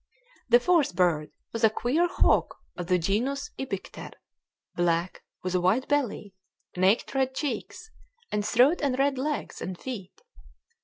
The fourth bird was a queer hawk of the genus ibycter, black, with a white belly, naked red cheeks and throat and red legs and feet.